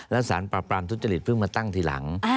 และสารปราบปรามทุจริตเพิ่งมาตั้งทีหลัง